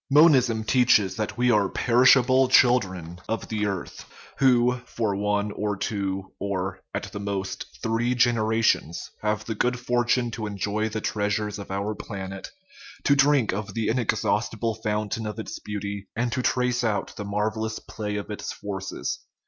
Monism teaches that we are perishable children of the earth, who for one or two, or, at the most, three generations, have the good fortune to enjoy the treasures of our planet, to drink of the inexhausti ble fountain of its beauty, and to trace out the marvel lous play of its forces.